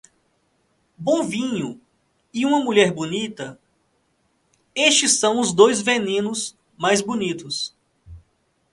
Bom vinho e uma mulher bonita - estes são os dois venenos mais bonitos.